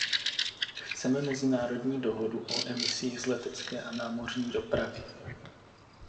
Chceme mezinárodní dohodu o emisích z letecké a námořní dopravy.